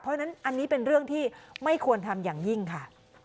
เพราะฉะนั้นอันนี้เป็นเรื่องที่ไม่ควรทำอย่างยิ่งค่ะ